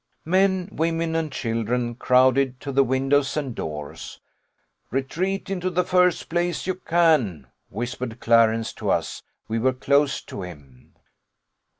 "Men, women, and children, crowded to the windows and doors. 'Retreat into the first place you can,' whispered Clarence to us: we were close to him.